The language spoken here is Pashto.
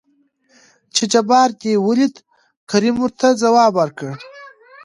چې جبار دې ولېد؟ کريم ورته ځواب ورکړ.